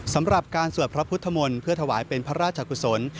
สำหรับการสวดพระพุทธมนตร์เพื่อถวายเป็นพระราชกุศล